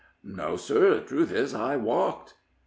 "No, sir; the truth is, I walked."